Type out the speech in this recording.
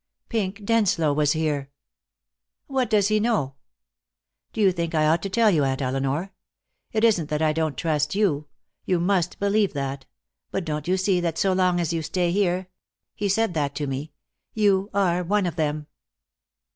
"Pink Denslow was here." "What does he know?" "Do you think I ought to tell you, Aunt Elinor? It isn't that I don't trust you. You must believe that, but don't you see that so long as you stay here he said that to me you are one of them."